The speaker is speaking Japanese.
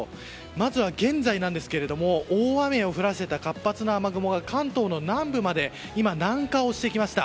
まずは現在、大雨を降らせた活発な雨雲が関東の南部まで南下してきました。